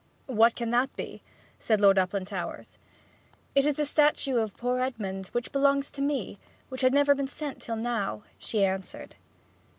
'What can that be?' said Lord Uplandtowers. 'It is the statue of poor Edmond, which belongs to me, but has never been sent till now,' she answered.